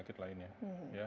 ya penyakit penyakit lainnya